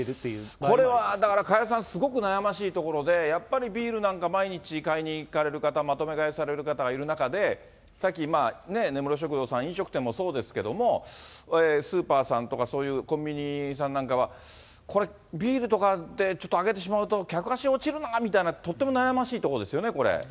これはだから加谷さん、すごく悩ましいところで、ビールなんか毎日買いに行かれる方、まとめ買いされる方いる中で、さっき、根室食堂さん、飲食店もそうですけど、スーパーさんとか、そういうコンビニさんなんかはこれ、ビールとかってちょっと上げてしまうと、客足落ちるのかなみたいなとっても悩ましいところですよね、これ。